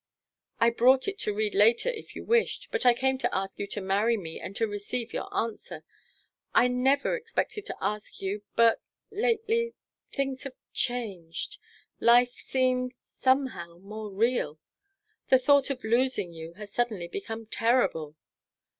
"I brought it to read later if you wished, but I came to ask you to marry me and to receive your answer. I never expected to ask you but lately things have changed life seems, somehow, more real. The thought of losing you has suddenly become terrible."